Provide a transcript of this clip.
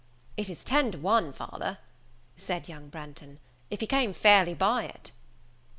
"It is ten to one, father," said young Branghton, "if he came fairly by it."